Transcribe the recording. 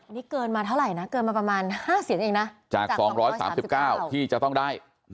นี่เกินมาเท่าไหร่นะเกินมาประมาณ๕เสียงเองนะจาก๒๓๙ที่จะต้องได้